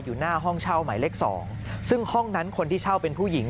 หน้าห้องเช่าหมายเลขสองซึ่งห้องนั้นคนที่เช่าเป็นผู้หญิง